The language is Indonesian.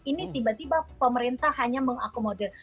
ini tiba tiba pemerintah hanya mengakomodir